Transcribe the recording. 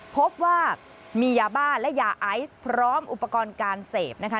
พบว่ามียาบ้าและยาไอซ์พร้อมอุปกรณ์การเสพนะคะ